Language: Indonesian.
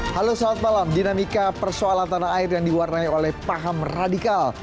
halo selamat malam dinamika persoalan tanah air yang diwarnai oleh paham radikal